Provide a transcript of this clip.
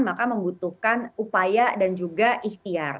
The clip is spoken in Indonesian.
maka membutuhkan upaya dan juga ikhtiar